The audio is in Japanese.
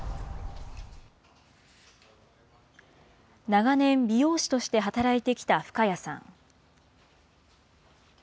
長年、美容師として働いてきた深谷さん。